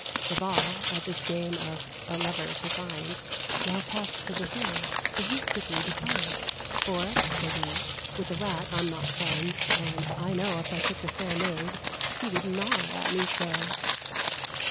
The ball, at this game of "a lover to find," Now passed to the Hill, but he quickly declined; "For," said he, "with the Rat I'm not friends, and, I know, If I took the fair Maid, he would gnaw at me so."